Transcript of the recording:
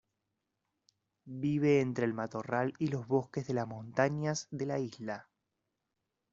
Vive entre el matorral y los bosques de las montañas de la isla.